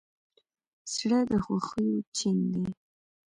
زړه د خوښیو چین دی.